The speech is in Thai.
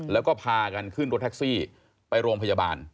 แล้วก็พากันขึ้นรถแท็กซี่ไปโรงพยาบาล